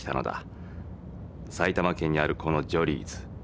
埼玉県にあるこのジョリーズ。